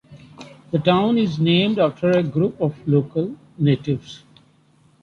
The town is named after a group of local natives.